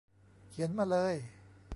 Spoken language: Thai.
เขียนมาเลย